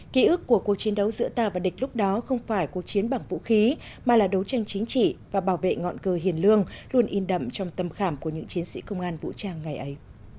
ký ức của cuộc chiến đấu giữa ta và địch lúc đó không phải cuộc chiến bằng vũ khí mà là đấu tranh chính trị và bảo vệ ngọn cờ hiền lương luôn in đậm trong tâm khảm của những chiến sĩ công an vũ trang ngày ấy